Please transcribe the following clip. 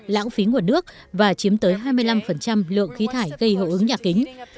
lãng phí nguồn nước và chiếm tới hai mươi năm lượng khí thải gây hậu ứng nhạc kính